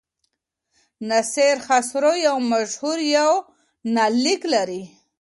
ناصر خسرو یو مشهور یونلیک لري.